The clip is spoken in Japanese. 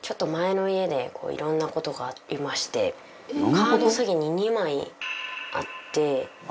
カード詐欺に２枚遭って。